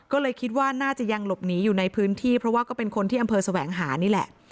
ก็เลยคิดว่าน่าจะยังหลบหนีอยู่ในพื้นที่เพราะว่าก็เป็นคนที่อำเภอแสวงหานี่แหละ